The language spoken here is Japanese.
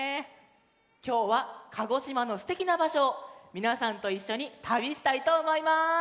きょうは鹿児島のすてきなばしょをみなさんといっしょにたびしたいとおもいます。